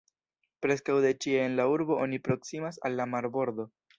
Preskaŭ de ĉie en la urbo oni proksimas al la marbordo.